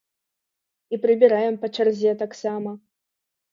І прыбіраем па чарзе таксама.